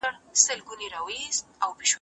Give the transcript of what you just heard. زه د کیلې په خوړلو اخته یم.